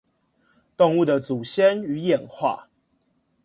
動物的祖先與演化